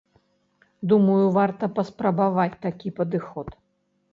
Думаю, варта паспрабаваць такі падыход.